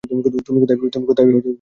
তুমি কোথায়, বেবি?